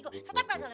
stop gak lu